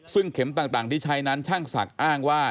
ซึ่งเข็มต่างที่ใช้นั้นช่างศักดิ์อ้างว่า